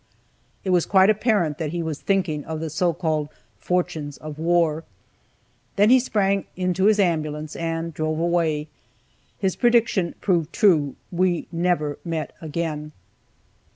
It was quite apparent that he was thinking of the so called "fortunes of war." Then he sprang into his ambulance, and drove away. His prediction proved true we never met again.